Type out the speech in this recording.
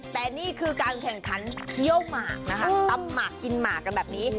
แต่นี่คือการแข่งขันเขี้ยวหมากนะคะตำหมากกินหมากกันแบบนี้